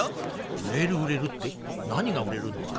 売れる売れるって何が売れるんですか？